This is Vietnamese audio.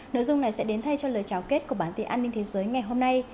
nội dung này sẽ đến thay cho lời cháo kết của bản tin an ninh thế giới ngày hôm nay